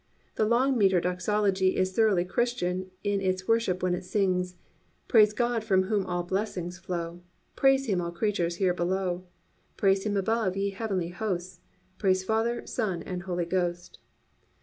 The long metre doxology is thoroughly Christian in its worship when it sings: "Praise God from whom all blessings flow, Praise Him all creatures here below, Praise Him above, ye heavenly hosts, Praise Father, Son and Holy Ghost."